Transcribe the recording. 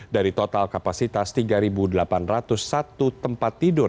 dari total kapasitas tiga delapan ratus satu tempat tidur